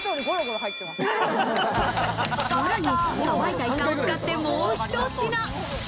さらに、さばいたイカを使って、もうひと品。